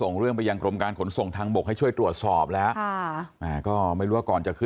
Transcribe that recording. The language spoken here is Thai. เราเข้าไปอย่างกรมการขนส่งทางบกให้ช่วยตรวจสอบแล้ว